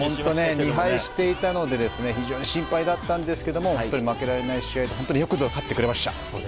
２敗していたので非常に心配だったので負けられない試合でよくぞ勝ってくれました。